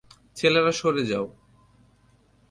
ছেলেরা সরে যাও।